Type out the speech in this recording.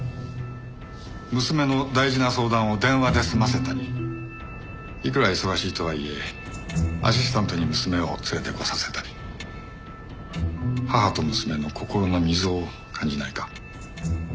娘の大事な相談を電話で済ませたりいくら忙しいとはいえアシスタントに娘を連れてこさせたり母と娘の心の溝を感じないか？